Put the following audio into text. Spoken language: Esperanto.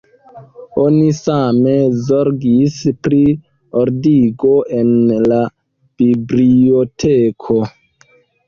Oni same zorgis pri ordigo en la biblioteko.